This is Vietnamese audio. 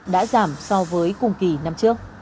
đã giảm so với cùng kỳ năm